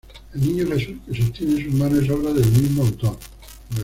El Niño Jesús que sostiene en sus manos es obra del mismo autor.